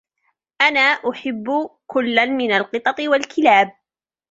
أنا أُحب كُلاً من القطط والكلاب.